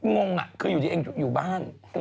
งงคืออยู่ดีเองอยู่บ้าน